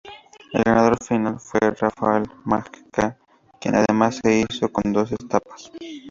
El ganador final fue Rafał Majka, quien además se hizo con dos etapas.